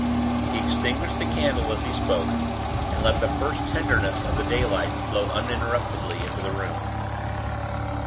He extinguished the candle as he spoke, and let the first tenderness of the daylight flow uninterruptedly into the room.